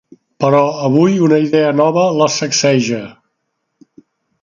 Però avui una idea nova la sacseja.